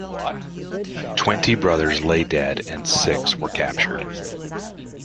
Twenty brothers lay dead and six were captured.